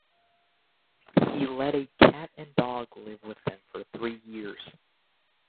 He led a cat-and-dog life with them for three years.